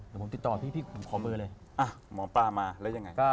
เดี๋ยวผมติดต่อพี่พี่ผมขอเบอร์เลยหมอปลามาแล้วยังไง